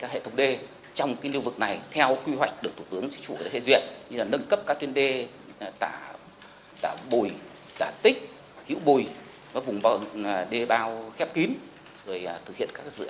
hệ thống đê trong lưu vực này theo quy hoạch